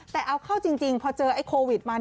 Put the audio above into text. แต่เอาเข้าจริงพอเจอโควิดมา